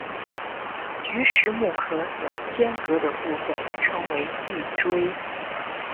菊石目壳有间隔的部份称为闭锥。